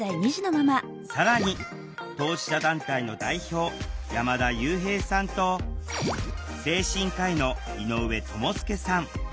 更に当事者団体の代表山田悠平さんと精神科医の井上智介さん。